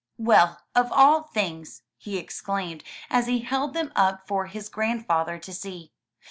"Well, of all things!'* he exclaimed as he held them up for his grandfather to see.